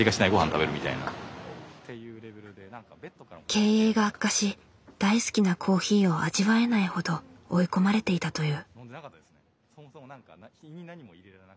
経営が悪化し大好きなコーヒーを味わえないほど追い込まれていたという。